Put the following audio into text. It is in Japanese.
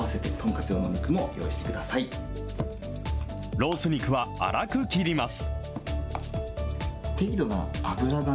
ロース肉は粗く切ります。